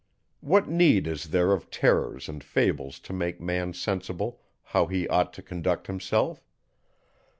What need is there of terrors and fables to make man sensible how he ought to conduct himself?